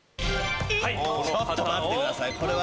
ちょっと待ってくださいこれは。